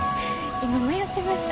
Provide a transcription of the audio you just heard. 今迷ってました？